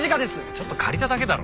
ちょっと借りただけだろ。